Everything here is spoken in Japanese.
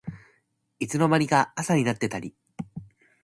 いつの間にか朝になってたり